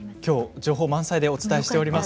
情報満載でお伝えしています。